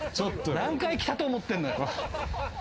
何回来たと思ってんだよ。